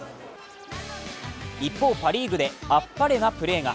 一方、パ・リーグであっぱれなプレーが。